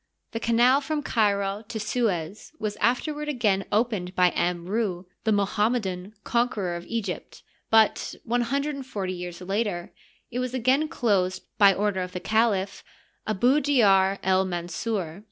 The canal from Cairo to Suez was afterwards again opened by Amru, the Moham medan conqueror of Egypt, but, one hundred and forty years later, it was again closed by order of the caliph Abu Djar el Mansur.